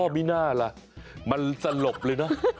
อ๋อมีหน้าละมันสลบเลยนะ